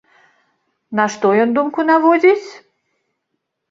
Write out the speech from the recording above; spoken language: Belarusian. На што ён думку наводзіць?